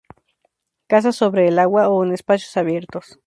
Caza sobre el agua o en espacios abiertos.